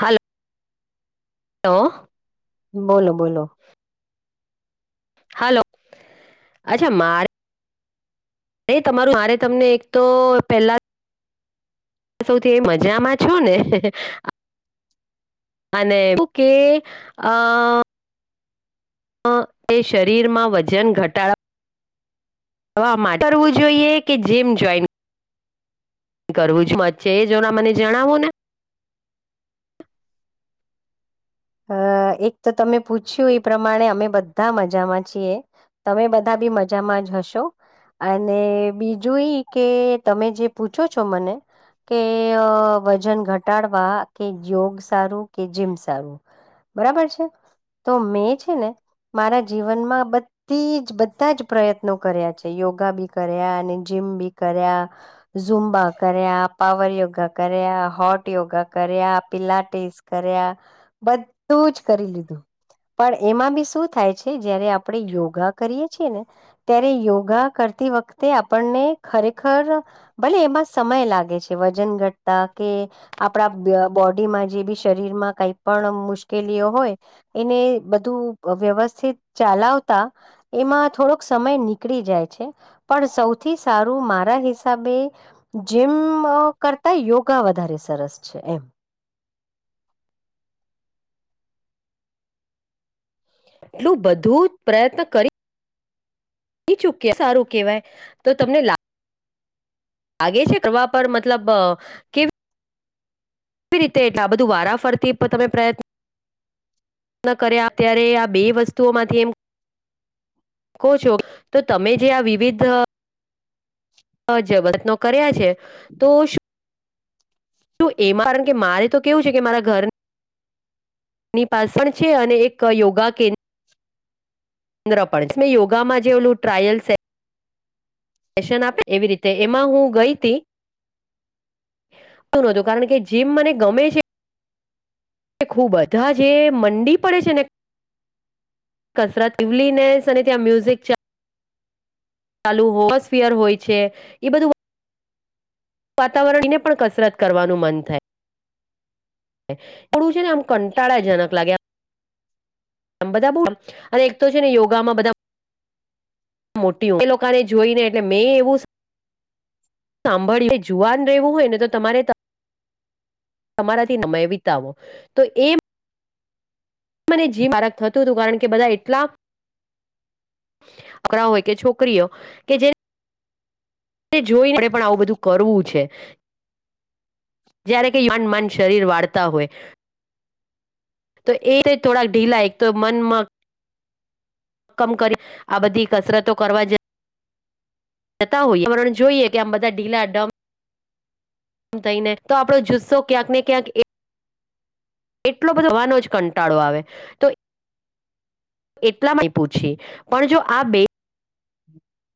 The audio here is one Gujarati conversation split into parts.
હાલ [unintelligible] બોલો બોલો. હાલો અચ્છા મારે અરે તમારું મારે તમને એક તો પેલા સૌથી મજામાં છો ને? અને ઓકે અ એ શરીરમાં વજન ઘટાડવા હ આ માટે કરવું જોઈએ કે જેમ જ કરવું છું મત છેે એ જોડા મને જણાવો ને. અ એક તો તમે પૂછ્યું એ પ્રમાણે અમે બધા મજામાં છીએ? તમે બધા બી મજામાં જ હશો? અને બીજું ઈ કે તમે જે પૂછો છો મને કે વજન ઘટાડવા કે યોગ સારું કે જીમ સારું. બરાબર છે તો મેં છે ને મારા જીવનમાં જ બધા જ પ્રયત્નો કર્યા છે યોગા બી કર્યા અને જીમ બી કર્યા ઝુંમ્બા કર્યા પાવર યોગા કર્યા હોટ યોગા કર્યા પિલાટી કર્યા બધું જ કરી લીધું પણ એમાં બી શું થાય છે જયારે આપણે યોગા કરીએ. ને ત્યારે યોગા કરતી વખતે આપણને ખરેખર ભલે એમાં સમય લાગે છે વજન ઘટતા કે આપણા બોડીમાં જે બી શરીર માં પણ મુશ્કેલીઓ હોય એને બધું વ્યવસ્થિત ચલાવતા. એમાં થોડોક સમય નીકળી જાય છે. પણ સૌથી સારું મારા હિસાબે જીમ કરતા યોગા વધારે સરસ છે એમ. એટલું બધું જ પ્રયત્ન ચૂક સારું કેવાય તો તમને આગે છે કરવા પર મતલબ એ રીતે એટલે આ બધું વારા ફરતી તમે પ્રય તન કર્યા અત્યારે આ બે વસ્તુઓ માંથી એમ કહો છો તો તમે જે આ વિવિધ અ જબરત્નો કર્યા છે તો શું એમાં કારણ કે મારે તો કેવું છે કે મારા ઘર ની પાછ પણ છે અને એક યોગા [unintelligible] યોગામાં જેલું ટ્રાયલ્સ [unintelligible] આપે એવી રીતે એમાં હું ગઈ હતી. નતું કારણ કે જીમ મને ગમે છે. એ ખું બધા જે મંડી પડે છે ને કસરત લવલીનેસ અને ત્યાં મ્યુઝિક ચાલુ હોમોસ્ફિયર હોય છે એ બ વાતાવરણ ને પણ કસરત કરવાનું મન થાય. પડું છે ને આમ કંટાળાજનક બધા બો અને એક તો છે ને યોગામાં મોટી હો એ લોકોને જોઈ ને એટલે મેં સાંભળી જુવાન ર રહેવું હોય ને તો તમારે તમારાથી નમે વિતાવો તો એ મને જીવ મારક થતું હતું કારણ કે બધા એટલા છોકરા હોય કે છોકરીઓ કે જોઈ આપે પણ આવું બધું કરવું છે. જયારે કે યન મન શરીર વાળતા હોય. તો એ થોડાક ઢીલા એક તો મનમાંગ કમ કરી આ બધી કસરતો કરવા જ. જતા હોઈએ મને જોઈએ કે આમ બધા ઢીલા ડમ થઈને તો આપડો જુસ્સો ક્યાંક ને ક્યાંક એટલો બધો હવાનો જ કંટાળો આવે તો એટલામાં પૂછી પણ જો આ બે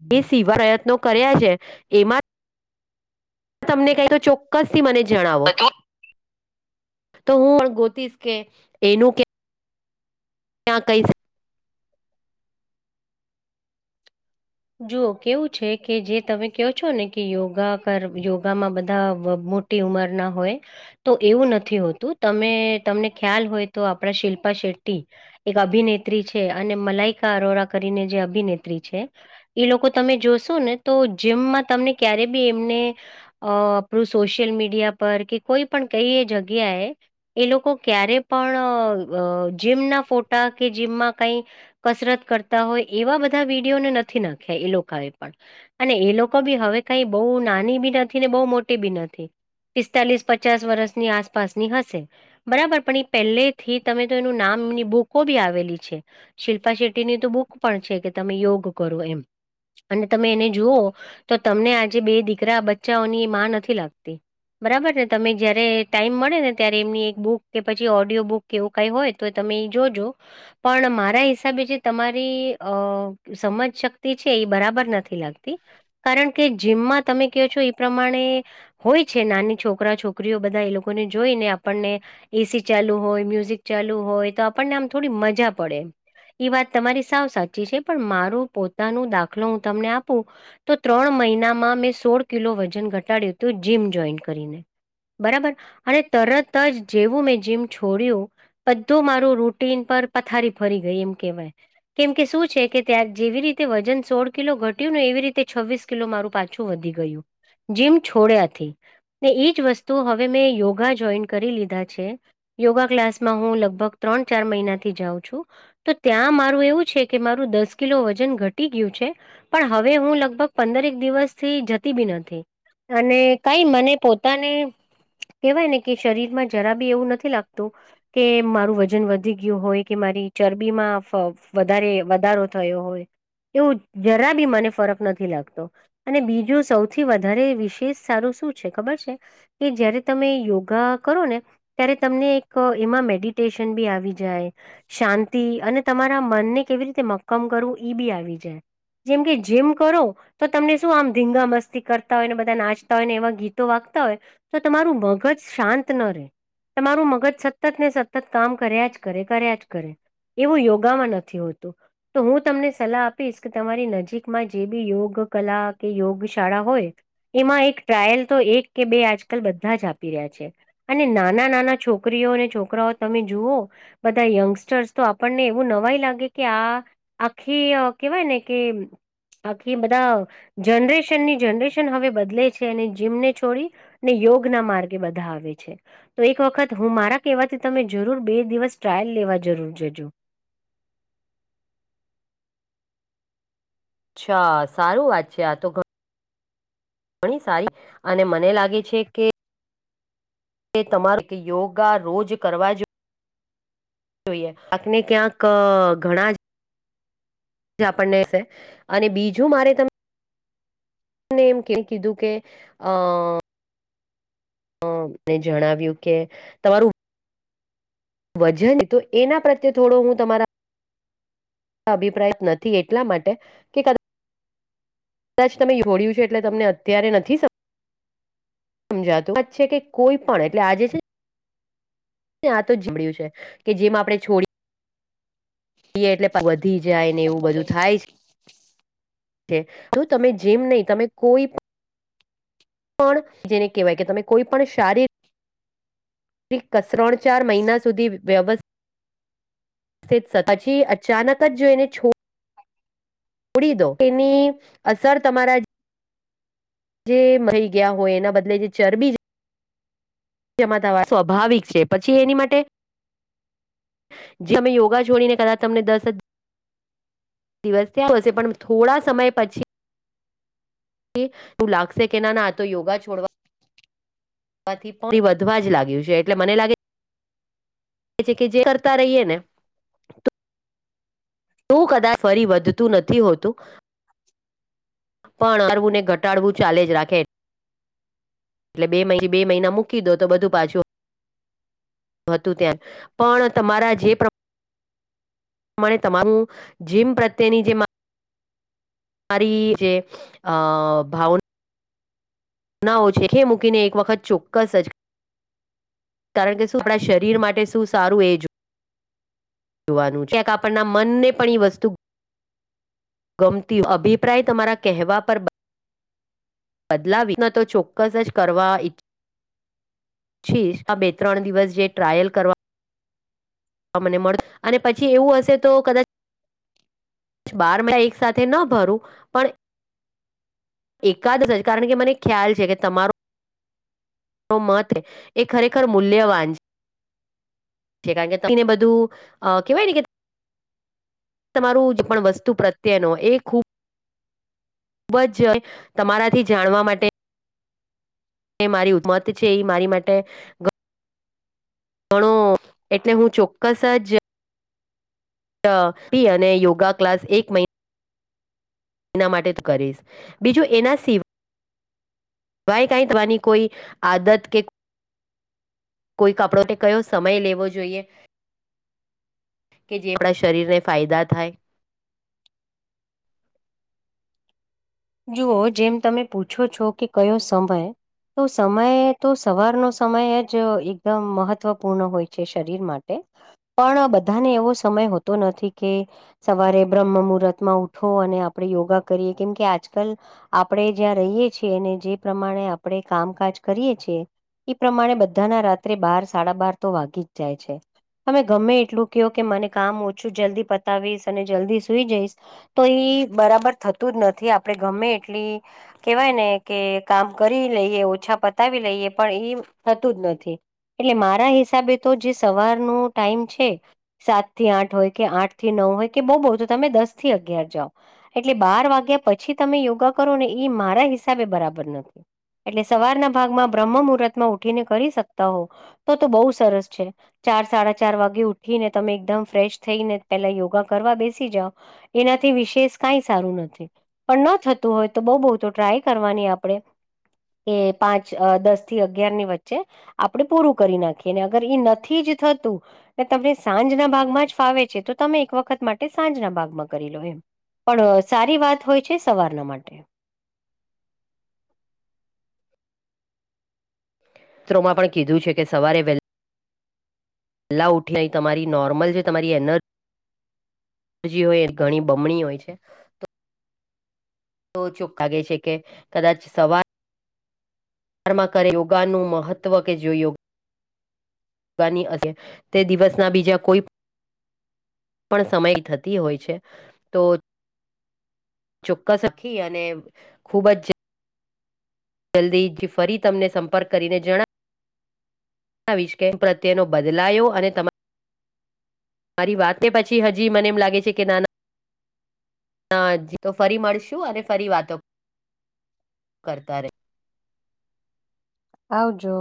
હમ એ સીવા પ્રયત્નો કર્યા છે એમાં તમને કઈક ચોક્કસ થી મને જણાવો તો હું પણ ગોતીશ કે એનું કે ક્યાં કૈ જુઓ કેવું છે કે જે તમે કહો છો ને કે યોગા કર યોગામાં બધા મો ટ્યુમર ના હોય તો એવું નથી હોતું તમે તમને ખ્યાલ હોય તો આપણા શિલ્પા શેટ્ટી એક અભિનેત્રી છે અને મલાઈકા અરોરા કરીને જે અભિનેત્રી છે એ લોકો તમે જોશો ને તો જીમમાં તમને ક્યારે બી એમને અ આપણું સોશિયલ મીડિયા પર કે કોઈ પણ કઈ એ જગ્યાએ એ લોકો ક્યારે પણ જીમ ના ફોટા કે જીમમાં કઈ કસરત કરતા હોય એવા બધા વિડીયોને નથી નાખ્યા એ લોકોએ પણ અને એ લોકો બી હવે કઈ બહુ નાની બી નથી ને બહુ મોટી બી નથી. પિસ્તાલીસ પચાસ વર્ષની આસપાસની હશે. બરાબર પણ એ પહેલે થી તમે તો એનું નામ એમની બુકો બી આવેલી છે. શિલ્પા શેટ્ટીની તો બુક પણ છે કે તમે યોગ કરો એમ અને તમે એને જુઓ તો તમને આજે બે દીકરા બચ્ચાઓની માં નથી લાગતી બરાબર ને તમે જયારે ટાઈમ મળે ને ત્યારે એમની એક બુક કે પછી ઓડિયો બુક કેવું કઈ હોય તો તમે જોજો પણ મારા હિસાબે જે તમારી અ સમજ શ તે છે એ બરાબર નથી લાગતી કારણ કે જીમમાં તમે કહો છો એ પ્રમાણે હોય છે નાની છોકરા છોકરીઓ બધા એ લોકોને જોઈને આપણને એસી ચાલુ હોય મ્યુઝિક ચાલુ હોય તો આપણને આમ થોડી મજા પડે એ વાત તમારી સાવ સાચી છે પણ મારું પો ન દાખલો હું તમને આપું તો ત્રણ મહિનામાં મેં સોળ કિલો વજન ઘટાડ્યું હતું જીમ જોઈન કરીને બરાબર અને તરત જ જેવું મેં જીમ છોડ્યું? બધું મારું રૂટીન પર પથારી ફરી ગઈ એમ કેહેવાય. કેમ કે શું છે કે ત્યાંગ જેવી રીતે વજન સોળ કિલો ઘટ્યું ને એવી રીતે છવ્વીસ કિલો મારું પાછું વધી ગયું. જીમ છોડ્યાથી ને એજ વસ્તુ હવે મેં યોગા જોઈન કરી લીધા છે. યોગા ક્લાસમાં હું લગભગ ત્રણ ચાર મહિનાથી જાઉં છું. તો ત્યાં મારું એવું છે કે મારું દસ કિલો વજન ઘટ તટી ગયું છે પણ હવે હું લગભગ પંદર એક દિવસથી જતી બી નથી. અને કઈ મને પોતાને કવાય ને કે શરીર માં જરા બી એવું નથી લાગતું કે મારું વજન વધી ગયું હોય કે મારી ચરબીમાં વધારે વધારો થયો હોય એવું જરા બી મને ફરક નથી લાગતો. અને બીજું સૌથી વધારે વિશેષ સારું શું છે ખબર છે. કે જયારે તમે યોગા કરો ને ત્યારે તમને એક એમાં મેડિટેશન બી આવી જાય શાંતિ અને તમારા મનને કેવી રીતે મક્કમ કરવું ઈ બી આવી જાય. જેમ કે જેીમ કરો તો તમને શું આમ ધીંગા મસ્તી કરતા હોય ને બધા નાચતા હોય ને એવા ગીતો વાગતા હોય તો તમારું મગજ શાંત ન રહે તમારું મગજ સતત ને સતત કામ કર્યા જ કરે કર્યા જ કરે એવું યોગામાં નથી હોતું તો હું તમને સલાહ આપ આપી કે તમારી નજીકમાં જે બી યોગ કલા કે યોગ શાળા હોય એમાં એક ટ્રાયલ તો એક કે બે આજકાલ બધા જ આપી રહ્યા છે અને નાના નાના છોકરીઓ અને છોકરાઓ તમે જુઓ બધા યંગસ્ટર્સ તો આપણને એવું નવાય લાગે કે આ આખી કેવાય ને કે આખી બધા જનરેશનની જનરેશન હવે બદલે છે અને જીમને છોડી ને યોગ ના માર્ગે બધા આવે છે તો એક વખત હું મારા કહેવાથી તમે જરૂર બે દિવસ ટ્રાયલ લેવા જરૂર જજો અચ્છા સારું વાત છે આ તો ઘણી સારી અને મને લાગે છે કે તે તમાર યોગા રોજ કરવા જોએ જોઈ આને ક્યાંક ઘણા જ આપણને અને બીજું મારે ત તને એમ ક કીધું કે અ હને જણાવ્યું કે તમારું વજન તો એના પ્રત્યે થોડો હું તમારા અભિપ્રાય નથી એટલા માટે કે કદાચ તમે જોડ્યું છે એટલે તમને અત્યારે નથી સમજાતું વાત છે કે કોઈ પણ એટલે આજે છે ને આ તો જીડ્યું છે કે જેમ આપણે છોડી એટલે વધી જાય ને એવું બધું થાય છે તો તમે જેમ નહી તમે કોઈ પણ જેને કહેવાય કે તમે કોઈ પણ શારીરિક કસરણ ચાર મહિના સુધી વ્યવસ્થિત પછી અચાનક જ જોઈને છો છોડી દો એની અસર તમારા જે મળી ગયા હોય એના બદલે જે ચરબી કમાતા સ્વાભાવિક છે પછી એની માટે જે તમે યોગા છોડીને કદાચ તમને દસ દિવસથી હશે પણ થોડા સમય પછી તું લાગશે કે ના ના તો યોગા છોડવા તે વધવા જ લાગ્યું છે એટલે મને લાગે કે જે કરતા રહીએ ને તો કદાચ ફરી વધતું નથી હોતું પણ હળવું ને ઘટાડવું ચાલે જ રાખે. એટલે બે બે મહિના મૂકી દો તો બધું પાછું હતું ત્યાં પણ તમારા જે મને તમારું જીમ પ્રત્યેની જે મારી જે ભાવના ના ઓછે ખે મૂકીને એક વખત ચોક્કસ જ કારણ કે શું આપણા શરીર માટે શું સારું એ જ જોવાનું ક્યાક આપણના મનને પણ ઈ વસ્તુ ગમતી અભિપ્રાય તમારા કહેવા પર બદલાવી ન તો ચોક્કસ જ કરવા છીશ આ બે ત્રણ દિવસ જે ટ્રાયલ કરવા અમને મળ અને પછી એવું હશે તો કદાચ બાર મેળ એક સાથે ન ભરું પણ એકાદ જ કારણ કે મને ખ્યાલ છે કે તમારોું મત એ ખરેખર મૂલ્યવાન છે છે કારણ કે તને બધું અ કેહેવાય ને કે. તમારું જે પણ વસ્તુ પ્રત્યે નુ એ ખૂબ. ખુબ જ તમારાથી જાણવા માટે એ મારી ઉમત છે એ મારી માટે ઘણો એટલે હું ચોક્કસ જ. અ પી અને યોગા ક્લાસ એક મહિના એના માટે કરીશ બીજું એના સિવ. વાય કઈ તમારી કોઈ આદત કે. કોઈક આપડો તે કયો સમય લેવો જોઈએ. કે જે આપણા શરીરને ફાયદા થાય. જુઓ જેમ તમે પૂછો છો કે કયો સમય તો સમય તો સવારનો સમય જ એકદમ મહત્વપૂર્ણ હોય છે શરીર માટે પણ બધાને એવો સમય હોતો નથી કે સવારે બ્રહ્મ મુહૂર્ત માં ઉઠો અને આપડે યોગા કરીએ કેમ કે આજ કલ આપણેે જ્યાં રહીએ છીએ ને જે પ્રમાણે આપણે કામકાજ કરીયએ છીએ. એ પ્રમાણે બધાના રાત્રે બાર સાડા બાર તો વાગી જ જાય છે. અમે ગમે એટલું કયો કે મને કામ ઓછું જલ્દી પતાવીશ અને જલ્દી સુઈ જઈશ તો ઈ બરાબર થતું જ નથી આપડે ગમે એટલી કેવાય ને કે કામ કરી લઈએ ઓછા પતાવી લઈએ પણ ઈ થતું જ નથી. એટલે મારા હિસાબે તો જે સવાર નુ ટાઈમ છે. સાત થી આઠ હોય કે આઠ થી નવ હોય કે બહુ બહુ તો તમે દસ થી અગિયાર જાઓ એટલે બાર વાગ્યા પછી તમે યોગા કરો ને એ મારા હિસાબે બરાબર નથી. એટલે સવારના ભાગમાં બ્રહ્મ મુહૂર્તમાં ઉઠીને કરી શકતા હો તો તો બહુ સરસ છે. ચાર સાડા ચાર વાગે ઉઠી ને તમે એકદમ ફ્રેશ થઈને પેલા યોગા કરવા બેસી જાઓ એનાથી વિશેષ કઈ સારું નથી. પણ ન થતું હોય તો બઉ બહુ તો ટ્રાય કરવાની આપણેે એ પાંચ અ દસ થી અગિયાર ની વચ્ચે આપડણે પૂરું કરી નાખીએ અને અગર એ નથી જ થતું એ તમને સાંજના ભાગમાં જ ફાવે છે તો તમે એક વખત માટે સાંજના ભાગમાં કરી લો એમ. પણ સારી વાત હોય છે સવારના માટે. ત્રોમા પણ કીધું છે કે સવારે વહેલ. લા ઉઠી તમારી નોર્મલ જે તમારી એનજી જી હોય ઘણી બમણી હોય છે. તો ચૂક લાગે છે કે કદાચ સવાર માં કરે યોગાનું મહત્વ કે જોયું. બની હકે તે દિવસ ના બીજા કોઈ પણ સમય થતી હોય છે તો. ચોક્કસ અખી અને ખુબ જ. જલ્દી થી ફરી તમને સંપર્ક કરીને જણા જણાવીશ એ પ્રત્યે નો બદલાયો અને તમા મારી વાત પછી હજી મને એમ લાગે છે કે નાના હ તો ફરી મળશું અને ફરી વાતો કરતા રે. આવજો.